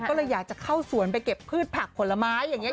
ก็เลยอยากจะเข้าสวนไปเก็บพืชผักผลไม้อย่างนี้